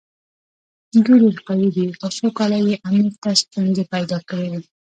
دوی ډېر قوي دي او څو کاله یې امیر ته ستونزې پیدا کړې وې.